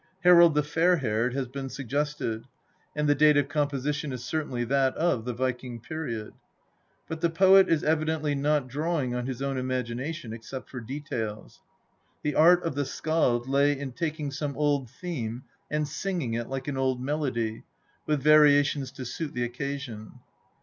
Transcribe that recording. Harald the Fair haired has been suggested, and the date of composition is certainly that of the Viking period. But the poet is evidently not drawing on his own imagina tion, except for details. The art of the skald lay in taking some old theme and singing it, like an old melody, with variations to suit the occasion.